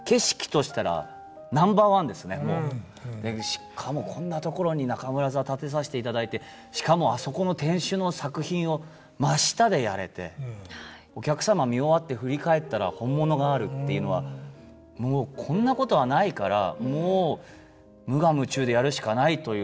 しかもこんなところに中村座建てさせていただいてしかもあそこの天守の作品を真下でやれてお客様見終わって振り返ったら本物があるっていうのはもうこんなことはないからもう無我夢中でやるしかないというのを気持ちで。